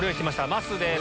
まっすーです。